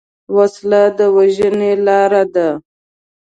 وسله د وژنې لاره ده